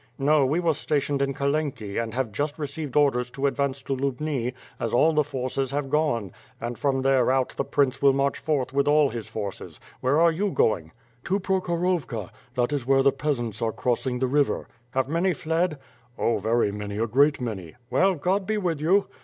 "No, we were stationed in Kalenki, and have just re ceived orders to advance to Lubni, as all the forces have gone; and from there out out the prince will march forth with all his forces. Where are you going?" "To Prokhorovka. That is where the peasants are cross ing the river." "Have many fled?" "Oh, very many, a great many." "Well, God be with you!"